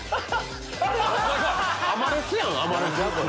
アマレスやん！